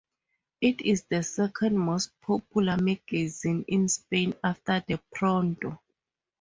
It is the second most popular magazine in Spain after the "Pronto".